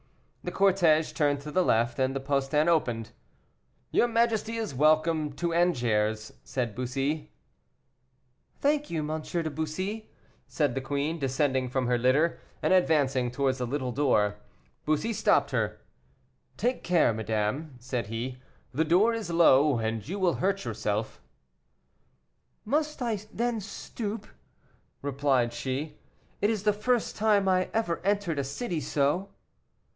The cortege turned to the left, and the postern opened. "Your majesty is welcome to Angers," said Bussy. "Thank you, M. de Bussy," said the queen, descending from her litter, and advancing towards the little door. Bussy stopped her. "Take care, madame," said he, "the door is low, and you will hurt yourself." "Must I then stoop?" replied she; "it is the first time I ever entered a city so."